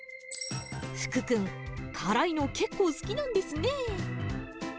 福君、辛いの、結構好きなんですね。